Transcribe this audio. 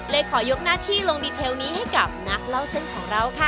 ขอยกหน้าที่ลงดีเทลนี้ให้กับนักเล่าเส้นของเราค่ะ